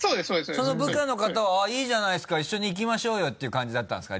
その部下の方は「あぁいいじゃないですか一緒に行きましょうよ」っていう感じだったんですか？